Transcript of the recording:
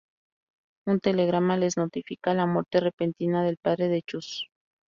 Un telegrama les notifica la muerte repentina del padre de Chus.